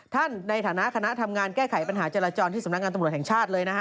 ท่านในฐานะคณะทำงานแก้ไขปัญหาจราจรที่สำนักงานตำรวจแห่งชาติเลยนะฮะ